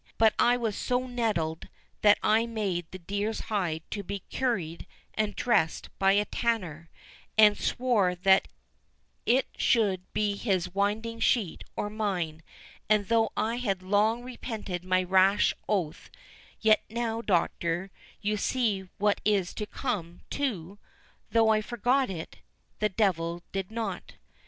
But I was so nettled that I made the deer's hide be curried and dressed by a tanner, and swore that it should be his winding sheet or mine; and though I had long repented my rash oath, yet now, Doctor, you see what it is come to—though I forgot it, the devil did not."